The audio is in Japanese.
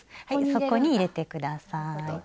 そこに入れて下さい。